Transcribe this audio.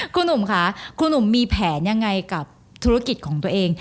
คุณหนุ่มมีแผนยังไงกับธุรกิจของตัวเอง